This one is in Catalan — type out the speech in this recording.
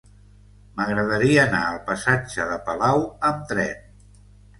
M'agradaria anar al passatge de Palau amb tren.